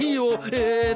ええっと